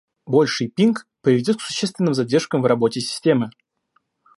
Больший пинг приведет к существенным задержкам в работе системы